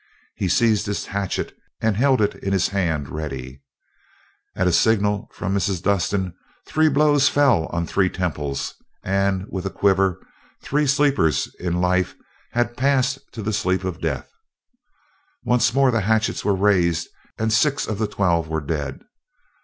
He seized his hatchet and held it in his hand ready. At a signal from Mrs. Dustin, three blows fell on three temples, and with a quiver three sleepers in life had passed to the sleep of death. Once more the hatchets were raised, and six of the twelve were dead.